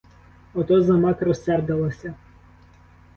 Ото за мак розсердилася.